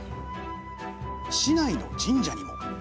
市内の神社にも。